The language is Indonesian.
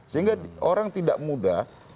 sehingga orang tidak mudah